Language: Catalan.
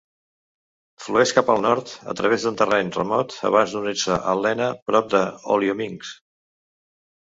Flueix cap al nord a través d'un terreny remot abans d'unir-se al Lena, prop d'Olyominsk.